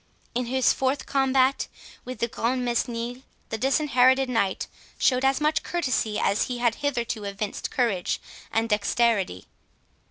In his fourth combat with De Grantmesnil, the Disinherited Knight showed as much courtesy as he had hitherto evinced courage and dexterity.